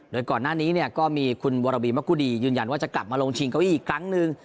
โดยก่อนหน้านี้เนี่ยก็มีคุณวรวีมะกุดียืนยันว่าจะกลับมาลงชิงเก้าอี้อีกครั้งหนึ่ง